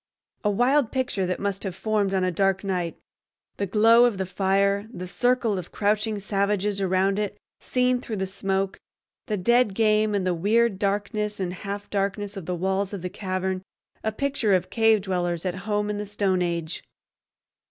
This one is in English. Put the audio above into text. A wild picture that must have formed on a dark night—the glow of the fire, the circle of crouching savages around it seen through the smoke, the dead game, and the weird darkness and half darkness of the walls of the cavern, a picture of cave dwellers at home in the stone age!